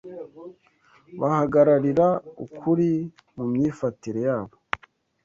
bahagararira ukuri mu myifatire yabo,